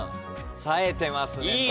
さえてますね。